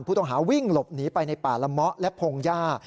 ผู้ต้องหาวิ่งหลบหนีไปในป่าละเมาะและพงหญ้า